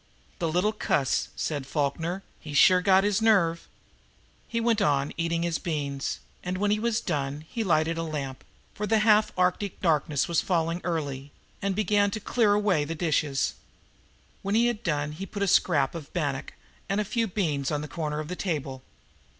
"The little cuss!" said Falkner. "He's sure got his nerve!" He went on eating his beans, and when he had done he lighted a lamp, for the half Arctic darkness was falling early, and began to clear away the dishes. When he had done he put a scrap of bannock and a few beans on the corner of the table.